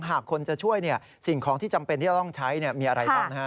หากคนจะช่วยสิ่งของที่จำเป็นที่จะต้องใช้มีอะไรบ้าง